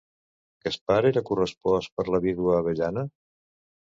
Gaspar era correspost per la vídua Avellana?